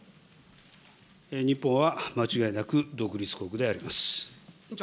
日本は間違いなく独立国であります。